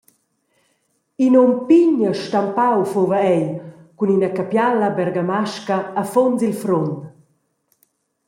In um pign e stampau fuva ei cun ina capiala bergamasca afuns il frunt.